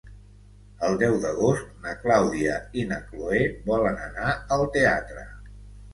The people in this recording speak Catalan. El deu d'agost na Clàudia i na Cloè volen anar al teatre.